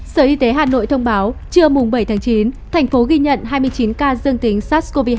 sở y tế hà nội thông báo trưa bảy tháng chín thành phố ghi nhận hai mươi chín ca dương tính sars cov hai